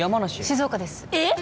静岡ですえっ？